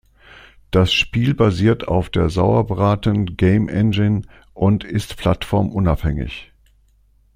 Das Spiel basiert auf der Sauerbraten Game Engine und ist plattformunabhängig.